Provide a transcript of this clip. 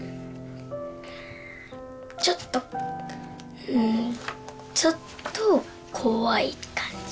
ちょっとうんちょっと怖い感じ。